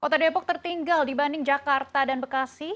kota depok tertinggal dibanding jakarta dan bekasi